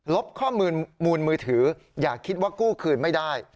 บข้อมูลมูลมือถืออย่าคิดว่ากู้คืนไม่ได้